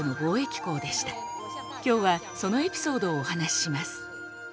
きょうはそのエピソードをお話しします。